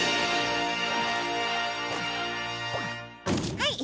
はい。